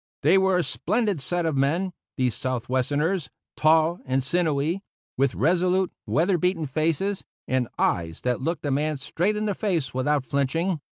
They were a splendid set of men, these Southwesterners tall and sinewy, with resolute, weather beaten faces, and eyes that looked a man straight in the face without flinching.